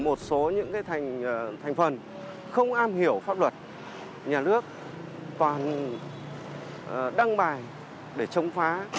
một số những thành phần không am hiểu pháp luật nhà nước toàn đăng bài để chống phá